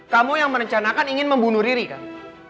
kamu yang merencanakan ingin membunuh riri kan